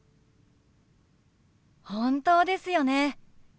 本当ですよね。